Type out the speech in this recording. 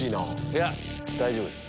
いや大丈夫です。